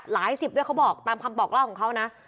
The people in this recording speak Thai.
สิบด้วยเขาบอกตามคำบอกเล่าของเขานะ